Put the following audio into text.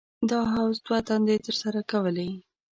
دا حوض دوه دندې تر سره کولې.